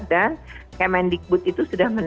dan kemendikbud itu sudah menerima